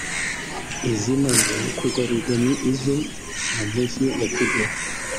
Izimaze kugarurwa ni izo mu mujyi wa Kigali